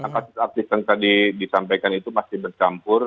kasus aktif yang tadi disampaikan itu pasti bercampur